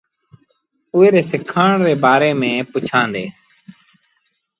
اُئي ري سِکآڻ ري بآري ميݩ پُڇيآندي۔